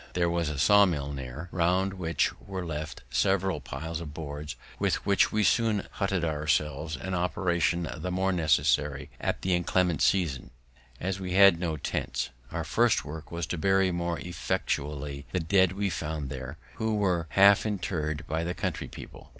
There was a saw mill near, round which were left several piles of boards, with which we soon hutted ourselves; an operation the more necessary at that inclement season, as we had no tents. Our first work was to bury more effectually the dead we found there, who had been half interr'd by the country people.